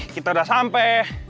kita udah sampe